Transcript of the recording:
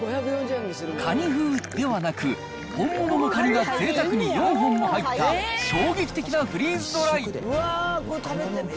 カニ風ではなく、本物のカニがぜいたくに４本も入った衝撃的なフリーズドライ。